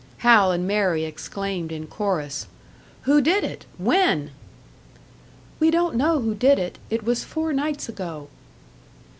Hal and Mary exclaimed in chorus, "Who did it? When?" "We don't know who did it. It was four nights ago."